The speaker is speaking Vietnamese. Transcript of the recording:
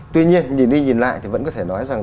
tuy nhiên nhìn đi nhìn lại thì vẫn có thể nói rằng